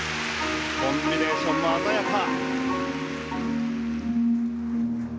コンビネーションも鮮やか！